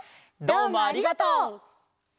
どうもありがとう！